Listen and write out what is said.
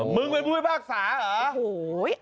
มึงเป็นผู้พื้นภาคศาหรอ